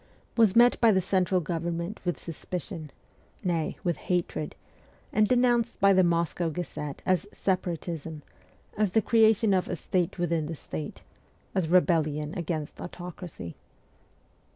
was met by the central government with suspicion nay with hatred and denounced by the ' Moscow Gazette ' as ' separatism,' as the creation of ' a state within the state,' as re bellion against autocracy.